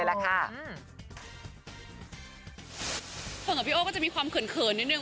เฟิร์นกับพี่โอ้ก็จะมีความเขื่อนนิดนึง